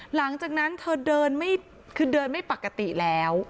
หลังจากนั้นเธอเดินไม่คือเดินไม่ปกติแล้ว